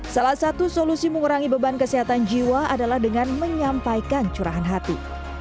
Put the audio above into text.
salah satu solusi mengurangi beban kesehatan jiwa adalah dengan menyampaikan curahan hati